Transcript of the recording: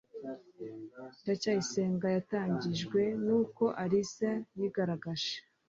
ndacyayisenga yatangajwe nuko alice yigaragaje